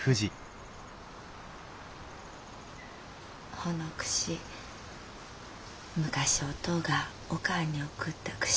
ほのくし昔おとうがおかあに贈ったくし？